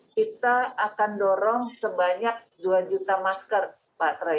kita akan dorong sebanyak dua juta masker pak troy